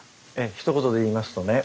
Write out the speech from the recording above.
ひと言で言いますとね